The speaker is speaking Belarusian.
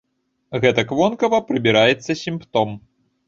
Гэтак вонкава прыбіраецца сімптом.